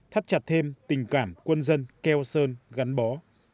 thắt chặt thêm tình cảm quân dân keo sơn gắn bó